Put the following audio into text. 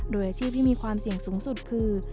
โดยอาชีพที่มีความเสี่ยงสูงสุดคือ